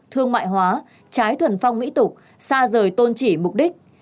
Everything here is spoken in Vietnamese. thương mại hóa trái thuần phong mỹ tục xa rời tôn trị mục đích